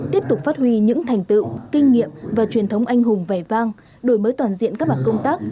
tiếp tục phát huy những thành tựu kinh nghiệm và truyền thống anh hùng vẻ vang đổi mới toàn diện các mặt công tác